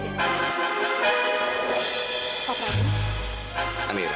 kenapa dia disini